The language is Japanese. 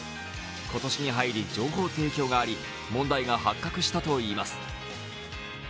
今年に入り、情報提供があり問題が発覚したといいます。